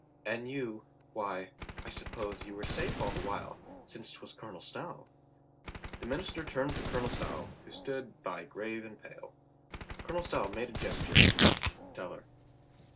"And you — why, I suppose you were safe all the while, since 'twas Colonel Stow." The minister turned to Colonel Stow, who stood by grave and pale. Colonel Stow made a gesture. "Tell her."